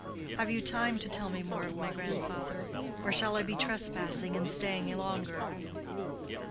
Have you time to tell me more of my grandfather? Or shall I be trespassing in staying longer?"